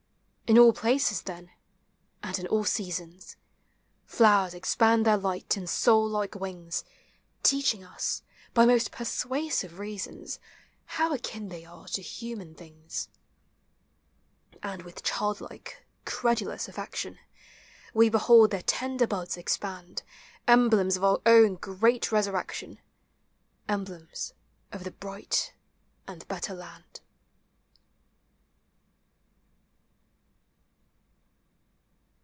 In all places, then, and in all seasons. Flowers expand their light and soul like wings, Teaching us, by most persuasive reasons, How akin they are to human things. And with childlike, credulous affection, We behold their tender buds expand — Emblems of our own great resurrection. Emblems of the bright and better land.